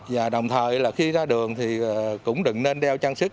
và đồng thời là khi ra đường thì cũng đừng nên đeo trang sức